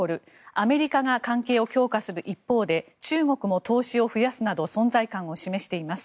アメリカが関係を強化する一方で中国も投資を増やすなど存在感を示しています。